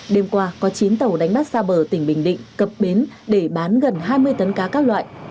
đêm qua có chín tàu đánh bắt xa bờ tỉnh bình định cập bến để bán gần hai mươi tấn cá các loại